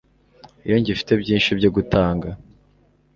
Iyo ngifite byinshi byo gutanga